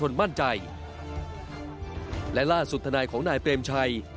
หลายราสุทธานายของนายเตรมชัย